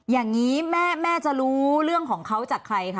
อย่างนี้แม่จะรู้เรื่องของเขาจากใครคะ